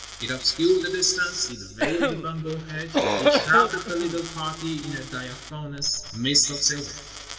It obscured the distance, it veiled the bamboo hedge, it shrouded the little party in a diaphanous mist of silver.